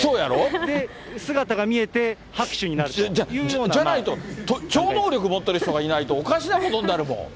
で、姿が見えて、拍手になるじゃないと、超能力持っている人がいないとおかしなことになるもん。